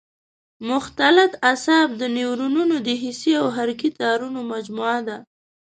مختلط اعصاب د نیورونونو د حسي او حرکي تارونو مجموعه ده.